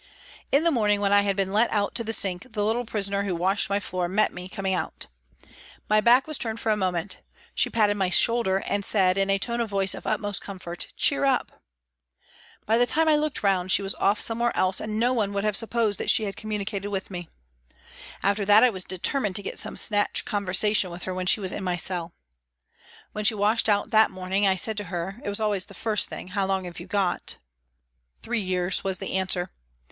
In the morning when I had been let out to the sink, the little prisoner who washed my floor met me coming out. My back was turned for a moment ; she patted my shoulder and said, in a tone of voice of utmost comfort, " Cheer up !" By the time I looked round she was off somewhere HOLLOWAY REVISITED 331 else and no one would have supposed that she had communicated with me. After that I was deter mined to get some snatch conversation with her when she was in my cell. When she washed out that morning, I said to her it was always the first thing " How long have you got ?"" Three years," was the answer.